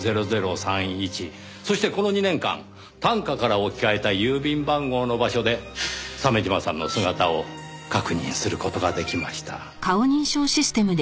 そしてこの２年間短歌から置き換えた郵便番号の場所で鮫島さんの姿を確認する事ができました。